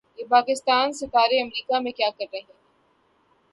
یہ پاکستانی ستارے امریکا میں کیا کررہے ہیں